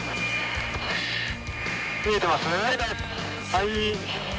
はい。